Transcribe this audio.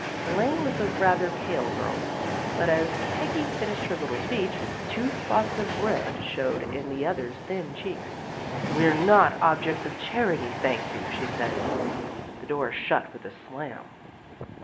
Elaine was a rather pale girl. But as Peggy finished her little speech, two spots of red showed in the other's thin cheeks. " We're not objects of charity, thank you," she said. The door shut with a slam.